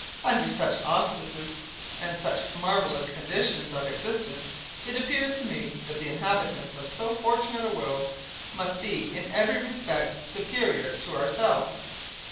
Under such auspices and such marvelous conditions of existence, it appears to me that the inhabitants of so fortunate a world must be in every respect superior to ourselves.